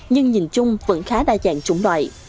nhưng nhìn chung vẫn khá đa dạng trụng loại